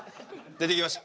出てきました。